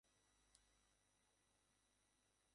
এই stadium Volga নদীর তীর ঘেঁষে অবস্থিত।